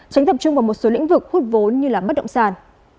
tránh tập trung vào một số lĩnh vực hút vốn như bất động sản